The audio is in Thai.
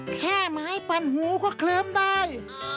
แค่ไม้ปั่นหูก็เคลิ้มได้